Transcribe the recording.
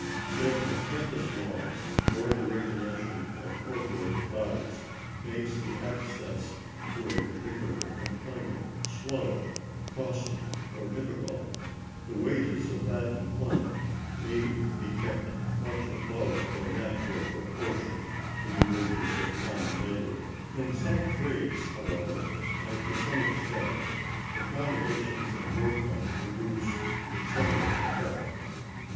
If apprentice laws, or the regulations of corporate bodies, make the access to a particular employment slow, costly, or difficult, the wages of that employment may be kept much above their natural proportion to the wages of common labor. In some trades, however, and to some extent, the combinations of workmen produce a similar effect.